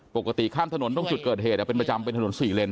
ปกติข้ามถนนตรงจุดเกิดเหตุเป็นประจำเป็นถนน๔เลน